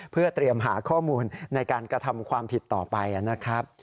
เพื่อเตรียมหาข้อมูลในการกระทำความผิดต่อไปนะครับ